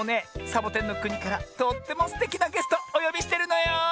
サボテンのくにからとってもすてきなゲストおよびしてるのよ。